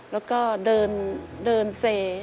แล้วก็เดินเส